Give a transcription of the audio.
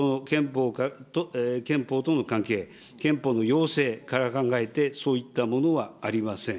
憲法との関係、憲法の要請から考えて、そういったものはありません。